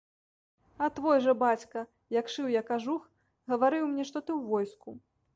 А твой жа бацька, як шыў я кажух, гаварыў мне, што ты ў войску.